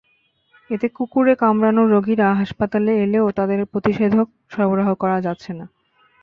এতে কুকুরে কামড়ানো রোগীরা হাসপাতালে এলেও তাদের প্রতিষেধক সরবরাহ করা যাচ্ছে না।